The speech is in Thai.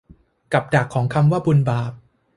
กับดักของคำว่าบุญบาป